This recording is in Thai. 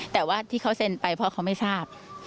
แต่ว่าที่เขาเซ็นไปเพราะเขาไม่ทราบ